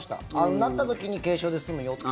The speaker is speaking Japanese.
なった時に軽症で済むよって。